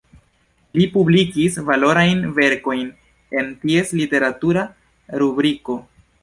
Li publikis valorajn verkojn en ties literatura rubriko.